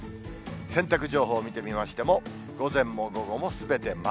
洗濯情報を見てみましても、午前も午後もすべて丸。